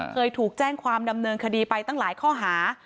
เคยถูกแจ้งความดำเนินคดีไปตั้งหลายข้อหา